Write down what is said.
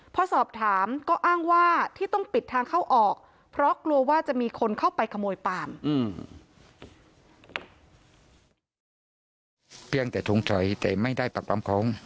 พอสอบถามก็อ้างว่าที่ต้องปิดทางเข้าออกเพราะกลัวว่าจะมีคนเข้าไปขโมยปาล์ม